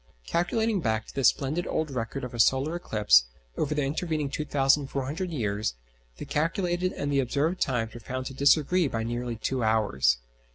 Calculating back to this splendid old record of a solar eclipse, over the intervening 2,400 years, the calculated and the observed times were found to disagree by nearly two hours.